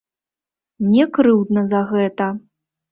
Мне крыўдна за гэта.